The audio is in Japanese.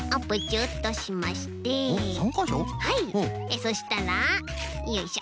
そしたらよいしょ。